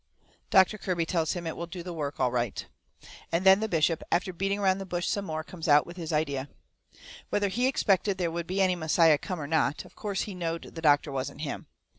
Doctor Kirby tells him it will do the work all right. And then the bishop, after beating around the bush some more, comes out with his idea. Whether he expected there would be any Messiah come or not, of course he knowed the doctor wasn't him.